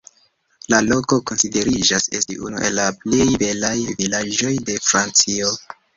La loko konsideriĝas esti unu el la plej belaj vilaĝoj de Francio.